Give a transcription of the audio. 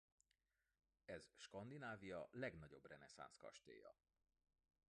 Ez Skandinávia legnagyobb reneszánsz kastélya.